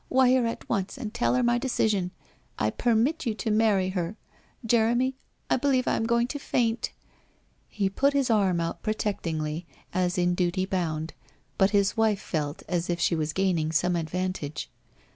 ' Wire at once and tell her my decision. I permit you to marry her. ... Jeremy, I believe I am going to faint !' He put his arm out protectingly, as in duty bound, but his wife felt as if she was gaining some advantage.